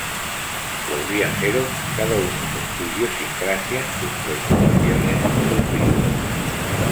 Los viajeros; cada uno con su idiosincrasia, sus preocupaciones, sus vidas.